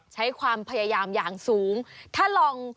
ใช้ความพยายามอย่างสูง